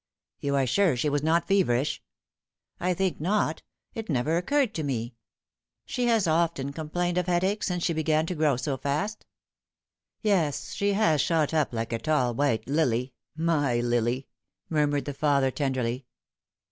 " You are sure she was not feverish ?"." I think not. It never occurred to me. She has often com plained of headache since she began to grow so fast." " Yes, she has shot up like a tall white lily my lily 1" mur mured the father tenderly.